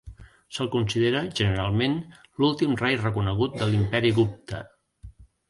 Se'l considera, generalment, l'últim rei reconegut de l'Imperi Gupta.